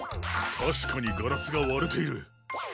たしかにガラスがわれている。